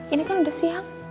ini kan udah siang